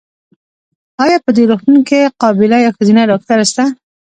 ایا په دي روغتون کې قابیله یا ښځېنه ډاکټره سته؟